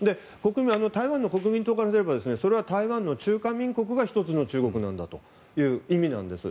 台湾の国民党からすれば台湾の中華民国が一つの中国なんだという意味なんです。